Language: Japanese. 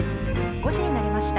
５時になりました。